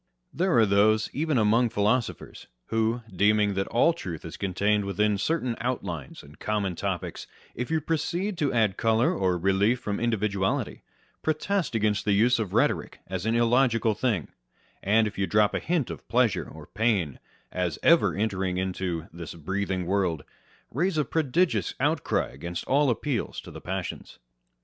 There are those (even among philosophers) who, deeming that all truth is contained within certain outlines and common topics, if you proceed to add colour or relief from individuality, protest against the use of rhetoric as an illogical thing ; and if you drop a hint of pleasure or pain as ever entering into " this breathing world*" raise a prodigious outcry against all appeals to the passions.